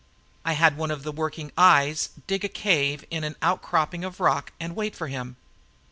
I had one of the working eyes dig a cave in an outcropping of rock and wait for him.